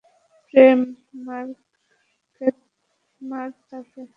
প্রেম, মার তাকে!